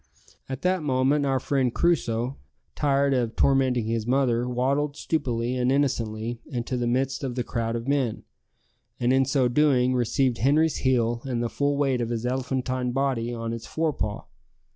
At that moment our friend Crusoe, tired of tormenting his mother, waddled stupidly and innocently into the midst of the crowd of men, and in so doing received Henri's heel and the full weight of his elephantine body on its fore paw.